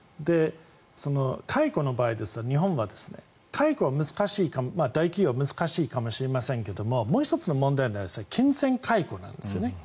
解雇の場合ですと日本は解雇は大企業は難しいかもしれませんがもう１つの問題は金銭解雇なんです。